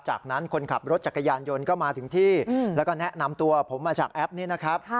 จากนั้นคนขับรถจักรยานยนต์ก็มาถึงที่แล้วก็แนะนำตัวผมมาจากแอปนี้นะครับ